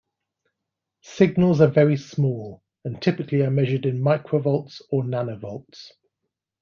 Signals are very small, and typically are measured in microvolts or nanovolts.